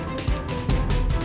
aku ini udah jadi cewek rusak